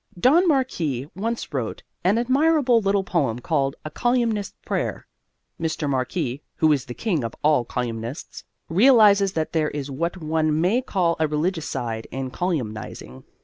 Don Marquis once wrote an admirable little poem called "A Colyumist's Prayer." Mr. Marquis, who is the king of all colyumists, realizes that there is what one may call a religious side in colyumizing.